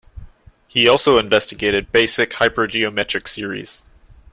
He also investigated basic hypergeometric series.